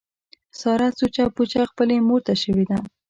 ساره سوچه پوچه خپلې مورته شوې ده.